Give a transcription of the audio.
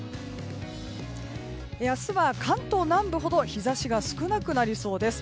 明日は関東南部ほど日差しが少なくなりそうです。